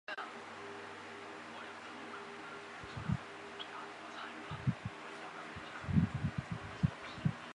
拿督潘健成